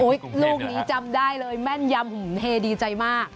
ลูกนี้จำได้เลยแม่นยำเฮดีใจมาก